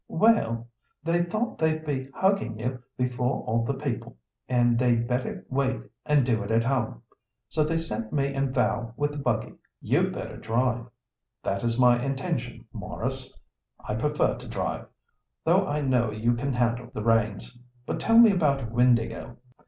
"Well—they thought they'd be hugging you before all the people, and they'd better wait and do it at home. So they sent me and Val with the buggy. You'd better drive." "That is my intention, Maurice. I prefer to drive, though I know you can handle the reins. But tell me about Windāhgil.